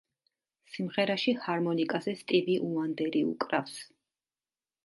სიმღერაში ჰარმონიკაზე სტივი უანდერი უკრავს.